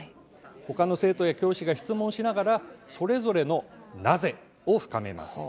ほかの生徒や教師が質問をしながらそれぞれの「なぜ？」を深めます。